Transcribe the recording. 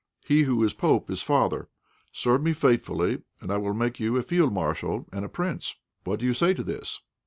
He who is pope is father. Serve me faithfully, and I will make you a field marshal and a prince. What do you say to this?"